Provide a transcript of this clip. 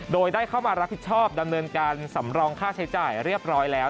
โดยได้เข้ามารับผิดชอบดำเนินการสำรองค่าใช้จ่ายเรียบร้อยแล้ว